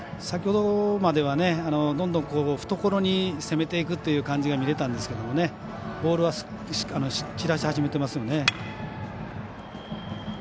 先ほどまではどんどん懐に攻めていくという感じが見えたんですけどボールは散らし始めてますよね。